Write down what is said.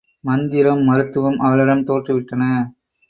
மந்திரம் மருத்துவம் அவளிடம் தோற்றுவிட்டன.